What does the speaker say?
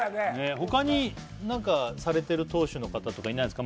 他に何かされてる投手の方とかいないんですか？